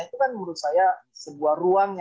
itu kan menurut saya sebuah ruang